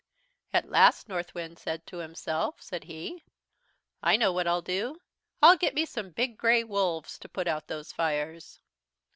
"At last Northwind said to himself, said he: "'I know what I'll do, I'll get me some big grey wolves to put out those fires.'